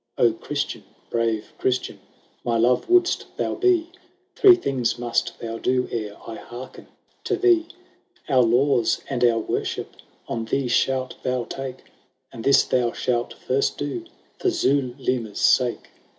" Oh Christian, brave Christian, my love wouldst thou be, Three things must thou do ere I hearken to thee: Our laws and our worship on thee shalt thou take ; And this thou shalt first do for Zulema's sake.